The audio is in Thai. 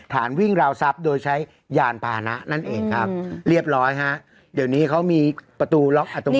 วิ่งราวทรัพย์โดยใช้ยานพานะนั่นเองครับเรียบร้อยฮะเดี๋ยวนี้เขามีประตูล็อกอ่ะตรงนี้